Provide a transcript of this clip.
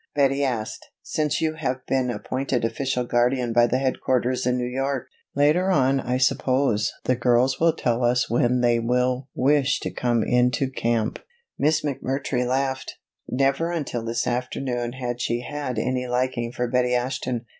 Betty asked, "since you have been appointed official guardian by the headquarters in New York? Later on I suppose the girls will tell us when they will wish to come into camp." Miss McMurtry laughed. Never until this afternoon had she had any liking for Betty Ashton.